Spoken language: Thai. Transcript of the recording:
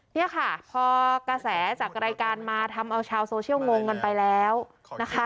เนี่ยค่ะพอกระแสจากรายการมาทำเอาชาวโซเชียลงงกันไปแล้วนะคะ